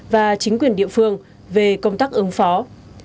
và chính quyền địa phương về công tác ứng phó